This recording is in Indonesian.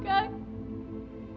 demi allah kang